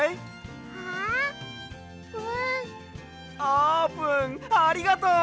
あーぷんありがとう！